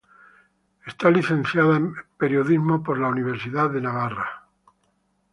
Es licenciada en Periodismo por la Universidad de Navarra.